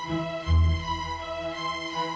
aku mau jalan